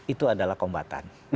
itu adalah kombatan